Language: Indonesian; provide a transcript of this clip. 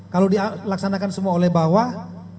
kalau dilaksanakan semua oleh bawah